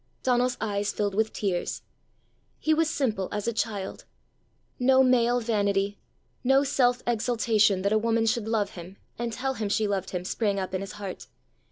Donal's eyes filled with tears. He was simple as a child. No male vanity, no self exultation that a woman should love him, and tell him she loved him, sprang up in his heart.